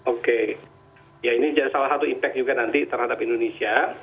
oke ya ini salah satu impact juga nanti terhadap indonesia